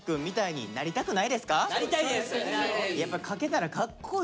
やっぱ書けたらかっこいいですから。